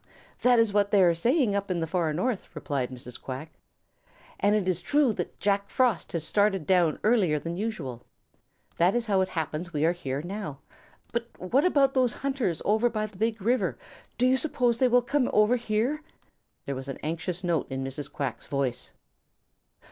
"That is what they say up in the Far North," replied Mrs. Quack. "And it is true that Jack Frost had started down earlier than usual. That is how it happens we are here now. But about those hunters over by the Big River, do you suppose they will come over here?" There was an anxious note in Mrs. Quack's voice.